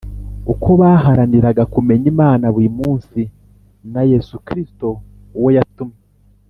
uko baharaniraga kumenya imana buri munsi, na yesu kristo uwo yatumye,